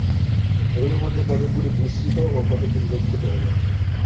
ঐগুলির মধ্যে কতকগুলি বিস্মৃত ও কতকগুলি রক্ষিত হইয়াছে।